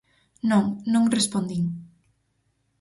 Non, non respondín.